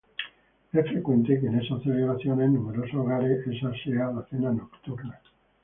Es frecuente que en esas celebraciones, en numerosos hogares, esa sea la cena nocturna.